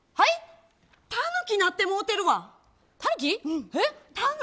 タヌキなってもうてるわ！